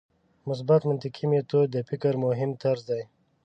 مثبت منطقي میتود د فکر مهم طرز دی.